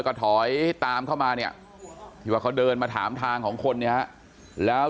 ก็ถอยตามเข้ามาเนี่ยเขาเดินมาถามทางของคนนะแล้ว